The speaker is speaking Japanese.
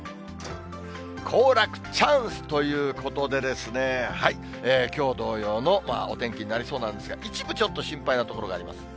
行楽チャンスということでですね、きょう同様のお天気になりそうなんですが、一部ちょっと心配な所があります。